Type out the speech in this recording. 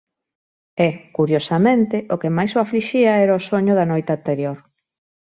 E, curiosamente, o que máis o aflixía era o soño da noite anterior.